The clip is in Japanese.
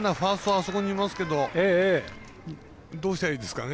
あそこにいますけどどうしたらいいですかね。